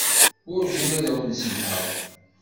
Werǧin ad wen-samḥeɣ.